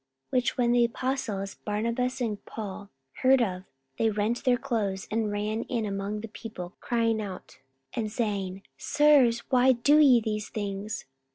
44:014:014 Which when the apostles, Barnabas and Paul, heard of, they rent their clothes, and ran in among the people, crying out, 44:014:015 And saying, Sirs, why do ye these things?